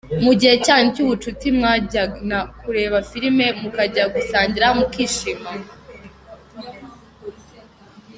Mu gihe cyanyu cy’ubucuti mwajyana kureba filimi, mu kajya gusangira, mukishimana.